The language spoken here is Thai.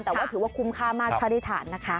แต่ว่าถือว่าคุ้มค่ามากถ้าได้ทานนะคะ